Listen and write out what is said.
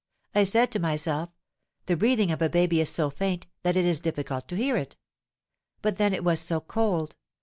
I said to myself, 'The breathing of a baby is so faint that it is difficult to hear it.' But then it was so cold.